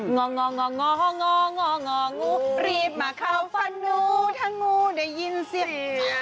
งูรีบมาเข้าฝั่นนู้ทะงูได้ยินเสียง